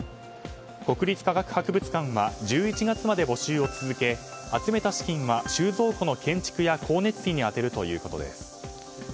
国立科学博物館は１１月まで募集を続け集めた資金は収蔵庫の建築や光熱費に充てるということです。